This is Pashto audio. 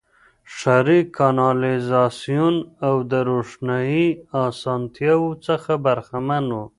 ښاري کانالیزاسیون او د روښنايي اسانتیاوو څخه برخمن وو.